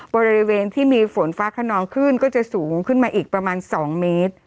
บริเวณที่มีฝนฟ้าขนองขึ้นก็จะสูงขึ้นมาอีกประมาณ๒เมตร